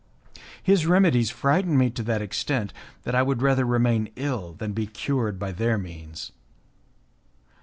His remedies frightened me to that extent that I would rather remain ill than be cured by their means.